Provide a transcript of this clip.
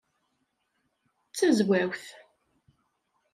D Tazwawt.